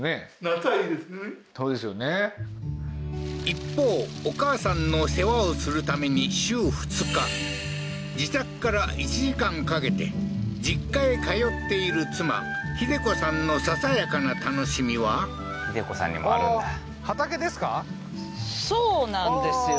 一方お母さんの世話をするために週２日自宅から１時間かけて実家へ通っている妻秀子さんのささやかな楽しみは秀子さんにもあるんだあっ